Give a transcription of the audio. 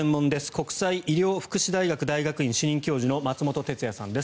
国際医療福祉大学大学院主任教授の松本哲哉さんです。